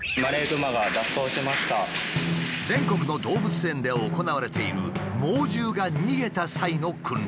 全国の動物園で行われている猛獣が逃げた際の訓練。